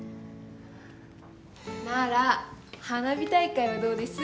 なら花火大会はどうです？